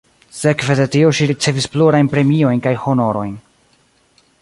Sekve de tio ŝi ricevis plurajn premiojn kaj honorojn.